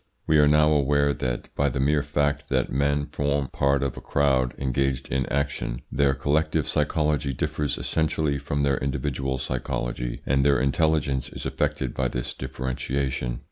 We are now aware that by the mere fact that men form part of a crowd engaged in action, their collective psychology differs essentially from their individual psychology, and their intelligence is affected by this differentiation.